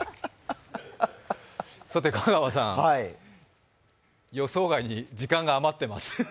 さて、香川さん、予想外に時間が余ってます。